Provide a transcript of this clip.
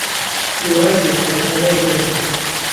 چې یوازې او پلي ګرځې.